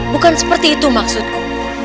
bukan seperti itu maksudku